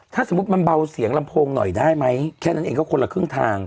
ถ้าสมมุติมันเบาเสียงลำโพงหน่อยได้ไหมแค่นั้นเองก็คนละครึ่งทาง